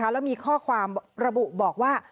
แล้วมีข้อความระบุบอกว่า